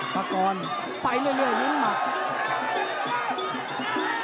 ประกอบไปเรื่อยยืนมัด